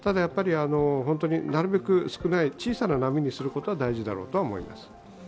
本当になるべく小さな波にすることは大事だろうなと思います。